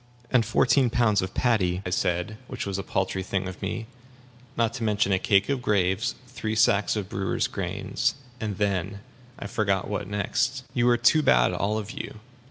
"And fourteen pounds of paddy," I said which was a paltry thing of me; "not to mention a cake of graves, three sacks of brewers' grains, and then I forget what next." "You are too bad, all of you.